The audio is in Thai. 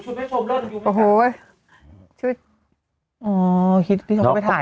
อืมอ๋อฮิตที่ชมไปถ่าย